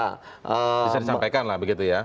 bisa disampaikan lah begitu ya